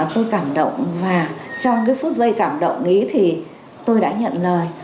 tôi cảm động và trong cái phút giây cảm động ý thì tôi đã nhận lời